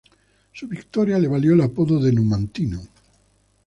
Su victoria le valió el apodo de "Numantino".